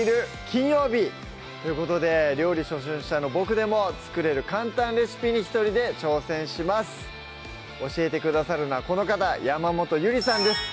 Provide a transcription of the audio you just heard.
金曜日」ということで料理初心者のボクでも作れる簡単レシピに一人で挑戦します教えてくださるのはこの方山本ゆりさんです